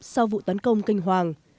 sau vụ tấn công kinh hoàng